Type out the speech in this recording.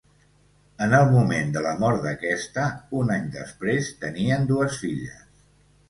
En el moment de la mort d'aquesta un any després tenien dues filles.